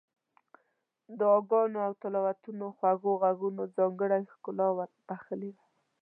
دعاګانو او تلاوتونو خوږو غږونو ځانګړې ښکلا ور بخښلې وه.